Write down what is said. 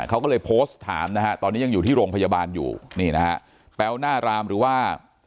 เขาก็เลยโพสต์ถามนะฮะตอนนี้ยังอยู่ที่โรงพยาบาลอยู่นี่นะฮะแป๊วหน้ารามหรือว่า